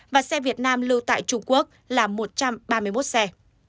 và xe việt nam lưu tại trung quốc là một trăm ba mươi một xe